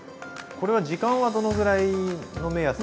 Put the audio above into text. これは時間はどのぐらいの目安に？